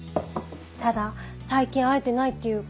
ただ最近会えてないっていうか。